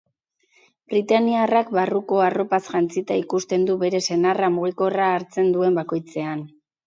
Britainiarrak barruko arropaz jantzita ikusten du bere senarra mugikorra hartzen duen bakoitzean.